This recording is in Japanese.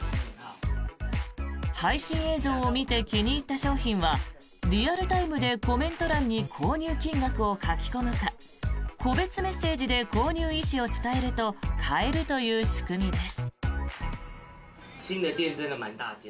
配信映像を見て気に入った商品はリアルタイムでコメント欄に購入金額を書き込むか個別メッセージで購入意思を伝えると買えるという仕組みです。